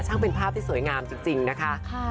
ช่างเป็นภาพที่สวยงามจริงเยี่ยม